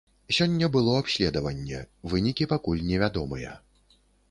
Сёння было абследаванне, вынікі пакуль невядомыя.